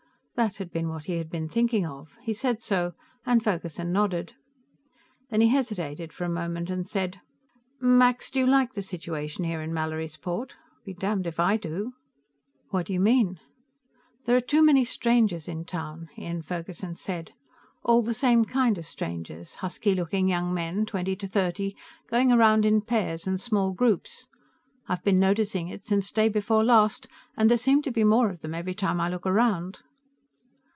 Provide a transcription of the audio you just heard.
That had been what he had been thinking of. He said so, and Ferguson nodded. Then he hesitated for a moment, and said: "Max, do you like the situation here in Mallorysport? Be damned if I do." "What do you mean?" "There are too many strangers in town," Ian Ferguson said. "All the same kind of strangers husky looking young men, twenty to thirty, going around in pairs and small groups. I've been noticing it since day before last, and there seem to be more of them every time I look around."